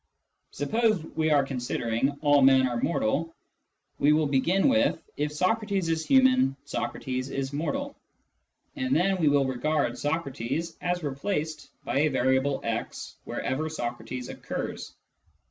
Suppose we are consider ing all " men are mortal ": we will begin with " If Socrates is human, Socrates is mortal," Propositional Functions 163 and then we will regard " Socrates " as replaced by a variable x wherever " Socrates " occurs.